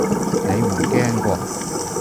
你唔驚喎